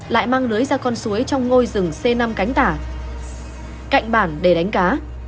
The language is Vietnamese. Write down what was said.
lại mang lưới ra con suối trong ngôi rừng c năm cánh tả cạnh bản để đánh cá